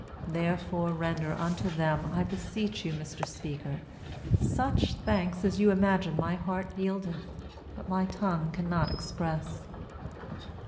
Therefore render unto them I beseech you Mr Speaker, such thanks as you imagine my heart yieldeth, but my tongue cannot express.